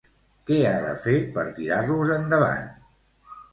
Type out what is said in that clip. Què ha de fer per tirar-los endavant?